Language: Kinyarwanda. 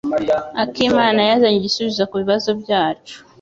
akimana yazanye igisubizo kubibazo byacu.